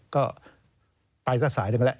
ก็ไปสักสายนึงแหละ